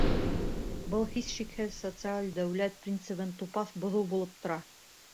Был, һис шикһеҙ, социаль дәүләт принцибын тупаҫ боҙоу булып тора.